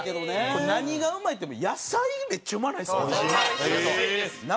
これ何がうまいって野菜がめっちゃうまないですか？